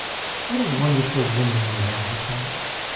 "What a wonderful woman you are!" he cried.